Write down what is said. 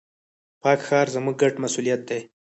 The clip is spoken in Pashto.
پاک ښار، زموږ ګډ مسؤليت دی.